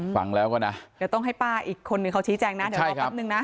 ฟังแล้วก็นะเดี๋ยวต้องให้ป้าอีกคนนึงเขาชี้แจงนะเดี๋ยวรอแป๊บนึงนะ